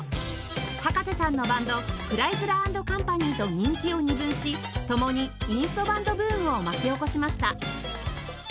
葉加瀬さんのバンドクライズラー＆カンパニーと人気を二分し共にインストバンドブームを巻き起こしました